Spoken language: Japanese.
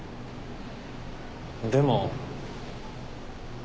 でも。